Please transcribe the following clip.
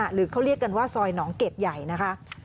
หรือเขาเรียกกันว่าซอยหนองเกดใหญ่นะคะ